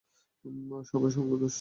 সবই সঙ্গ দোষ।